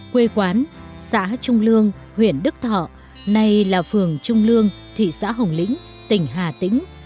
quê quán xã trung lương huyện đức thọ nay là phường trung lương thị xã hồng lĩnh tỉnh hà tĩnh